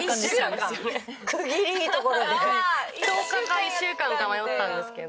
１０日か１週間か迷ったんですけど。